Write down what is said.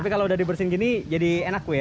tapi kalau udah dibersihin gini jadi enak bu ya